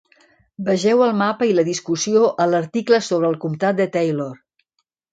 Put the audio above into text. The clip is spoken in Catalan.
Vegeu el mapa i la discussió a l'article sobre el comtat de Taylor.